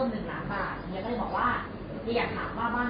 ที่จริงจำหมื่นซักจำให้สามหมื่นบาท